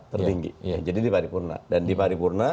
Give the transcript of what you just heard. tertinggi jadi di paripurna dan di paripurna